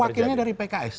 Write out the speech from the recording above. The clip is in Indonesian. wakilnya dari pks